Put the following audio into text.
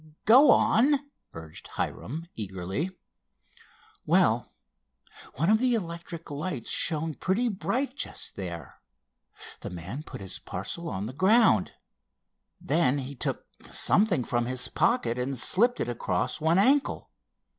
"Go on," urged Hiram eagerly. "Well, one of the electric lights shone pretty bright just there. The man put his parcel on the ground. Then he took something from his pocket and slipped it across one ankle.